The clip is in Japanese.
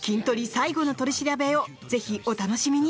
最後の取り調べをぜひお楽しみに！